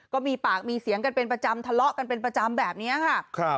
ก็มีปากมีเสียงกันเป็นประจำทะเลาะกันเป็นประจำแบบนี้ค่ะ